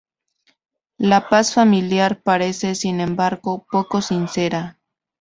La paz familiar parece, sin embargo, poco sincera.